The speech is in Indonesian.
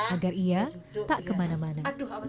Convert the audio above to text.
agar ia tak kemana mana